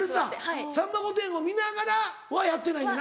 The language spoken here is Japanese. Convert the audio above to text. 『さんま御殿‼』を見ながらはやってないねんな。